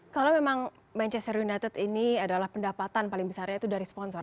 kalau memang manchester united ini adalah pendapatan paling besarnya itu dari sponsor